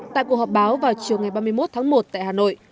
tại cuộc họp báo vào chiều ngày ba mươi một tháng một tại hà nội